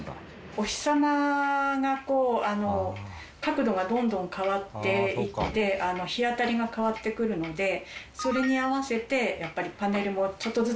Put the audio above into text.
お日さまがこう角度がどんどん変わっていって日当たりが変わってくるのでそれに合わせてパネルもちょっとずつ動かしてます。